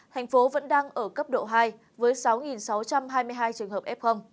thành phố vẫn đang ở cấp độ hai với sáu sáu trăm hai mươi hai trường hợp f